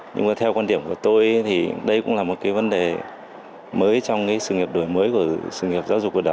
nhưng mà theo quan điểm của tôi thì đây cũng là một cái vấn đề mới trong cái sự nghiệp đổi mới của sự nghiệp